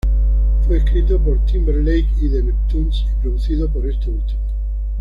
Fue escrito por Timberlake y The Neptunes y producido por este último.